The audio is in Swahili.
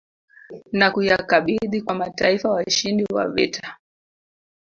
Na kuyakabidhi kwa mataifa washindi wa vita